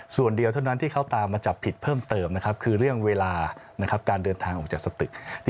ส่วนเดียวเท่านั้นที่เขาตามมาจับผิดเพิ่มเติมคือเรื่องเวลาการเดินทางออกจากสตึก